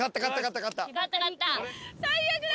最悪だ。